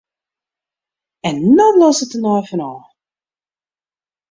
En no bliuwst der tenei fan ôf!